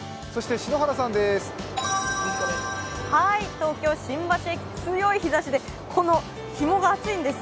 東京・新橋駅強い日ざしでこのひもが熱いんです。